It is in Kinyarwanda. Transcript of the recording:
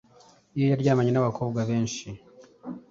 iyo yaryamanye n’abakobwa benshi